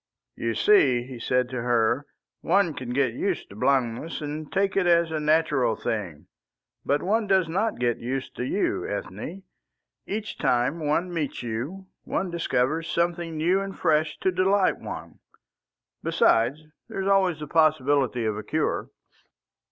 "You see," he said to her, "one can get used to blindness and take it as the natural thing. But one does not get used to you, Ethne. Each time one meets you, one discovers something new and fresh to delight one. Besides, there is always the possibility of a cure."